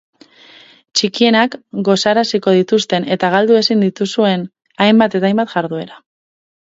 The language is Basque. Txikienak gozaraziko dituzten eta galdu ezin dituzuen hainbat eta hainbat jarduera.